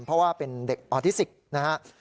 เพราะว่าเป็นเด็กออทิสติกนะครับ